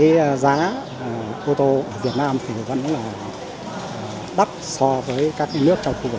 điều đó khiến chi phí sản xuất ô tô việt nam tăng lên rất chậm không đạt được như kỳ vọng của chính phủ cũng như của xã hội